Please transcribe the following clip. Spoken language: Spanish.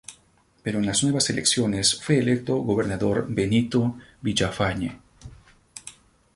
Pero en las nuevas elecciones fue electo gobernador Benito Villafañe.